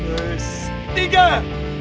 pasti pak nian